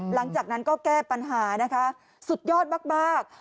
หลังจากนั้นก็แก้ปัญหานะคะสุดยอดมาก